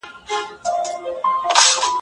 ژغورونکی لا تر اوسه نه دی راغلی.